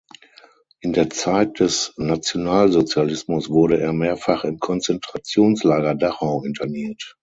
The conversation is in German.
In der Zeit des Nationalsozialismus wurde er mehrfach im Konzentrationslager Dachau interniert.